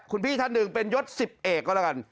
คุณพี่ท่านหนึ่งเป็นยศ๑๐เอกก็แล้วกัน